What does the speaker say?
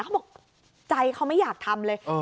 เขาบอกใจเขาไม่อยากทำเลย